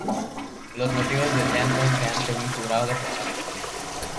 Los motivos del llanto se dan según su grado de frecuencia.